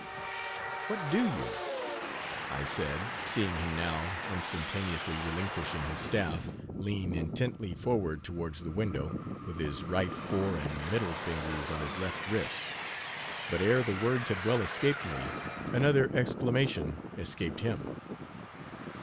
"What do you?" I said, seeing him now, instantaneously relinquishing his staff, lean intently forward towards the window, with his right fore and middle fingers on his left wrist. But ere the words had well escaped me, another exclamation escaped him.